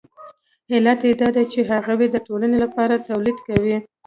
علت یې دا دی چې هغوی د ټولنې لپاره تولید کوي